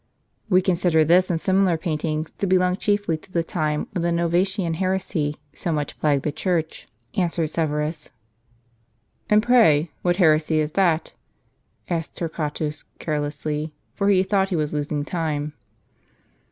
" We consider this, and similar paintings, to belong chiefly to the time when the Novatian heresy so much plagued the Church," answered Severus. "And pray what heresy is that? " asked Torquatus, care lessly ; for he thought he was losing time.